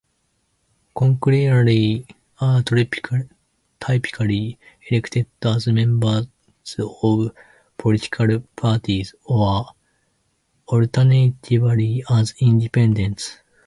Councillors are typically elected as members of political parties or alternatively as independents.